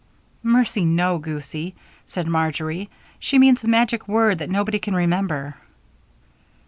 "Mercy no, goosie," said Marjory. "She means a magic word that nobody can remember."